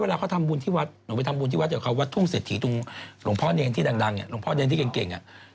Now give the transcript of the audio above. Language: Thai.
เวลาเขาทำบุญที่วัดหนูไปทำบุญที่วัดกับเขาวัดทุ่งเศรษฐีตรงหลวงพ่อเนรที่ดังเนี่ยหลวงพ่อเนรที่เก่งอ่ะ